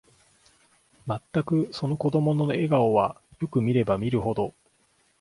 まったく、その子供の笑顔は、よく見れば見るほど、